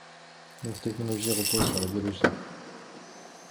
Leur technologie repose sur la biologie.